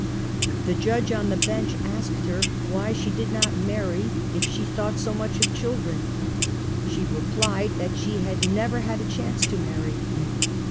The judge on the bench asked her why she did \ /not marry if she thought so much of children? She I replied that she had never had a chance to marry.